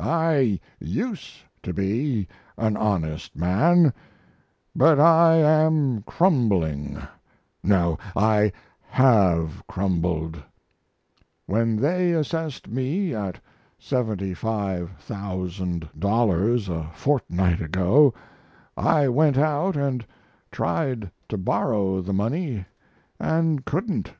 I used to be an honest man, but I am crumbling no, I have crumbled. When they assessed me at $75,000 a fortnight ago I went out and tried to borrow the money and couldn't.